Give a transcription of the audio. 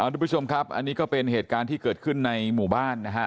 ทุกผู้ชมครับอันนี้ก็เป็นเหตุการณ์ที่เกิดขึ้นในหมู่บ้านนะฮะ